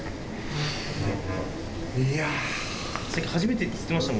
さっき初めてって言ってました